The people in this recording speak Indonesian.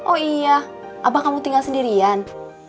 oh iya apa kamu tinggal sendirian